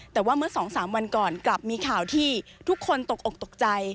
แต่ว่าเมื่อ๒๓วันก่อนกลับมีข่าวที่ทุกคนตกอกตกใจ